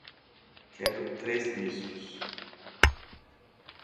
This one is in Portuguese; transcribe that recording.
Quero três mistos